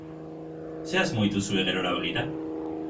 Zer asmo dituzue gerora begira?